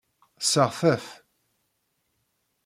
Tesseɣta-t.